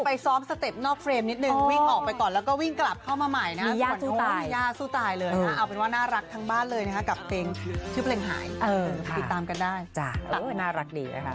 อันนี้น้องมีก้ายังงงงงอยู่น่ะลูก